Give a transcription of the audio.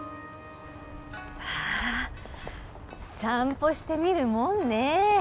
ああ散歩してみるもんね。